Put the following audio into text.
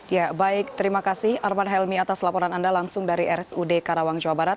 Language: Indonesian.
ya baik terima kasih arman helmi atas laporan anda langsung dari rsud karawang jawa barat